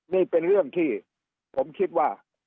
นี่เป็นเรื่องที่ผมคิดว่า